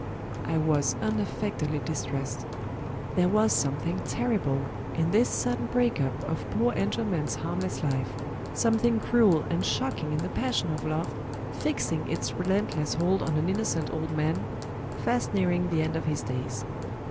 I was unaffectedly distressed. There was something terrible in this sudden break up of poor Engelman's harmless life something cruel and shocking in the passion of love fixing its relentless hold on an innocent old man, fast nearing the end of his days.